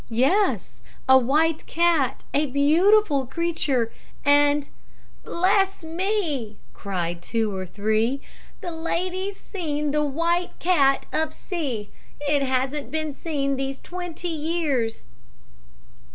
"'Yes, a white cat; a beautiful creature and ' "'Bless me!' cried two or three, 'the lady's seen the white cat of C . It hasn't been seen these twenty years.'